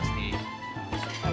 masuk ke labu